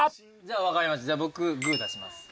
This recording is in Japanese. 分かりましたじゃあ僕グー出します。